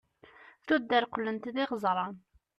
tuddar qlent d iɣeẓran